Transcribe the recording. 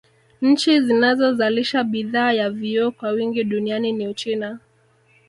Nchi zinazozalisha bidhaa ya vioo kwa wingi duniani ni Uchina